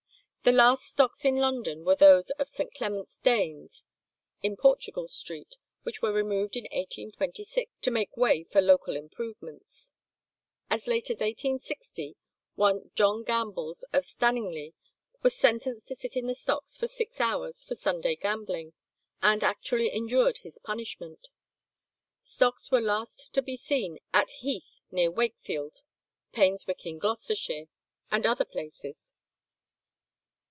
The last stocks in London were those of St. Clement's Dane's in Portugal Street, which were removed in 1826, to make way for local improvements. As late as 1860 one John Gambles of Stanningly was sentenced to sit in the stocks for six hours for Sunday gambling, and actually endured his punishment.[165:1] Stocks were last to be seen at Heath near Wakefield, Painswick in Gloucestershire, and other places.